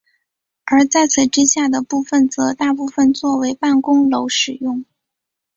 而在此之下的部分则大部分作为办公楼使用。